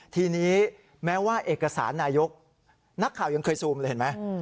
ทีนี้แม้ว่าเอกสารนายกนักข่าวยังเคยซูมเลยเห็นไหม